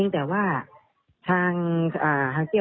แต่เอิญเนี่ย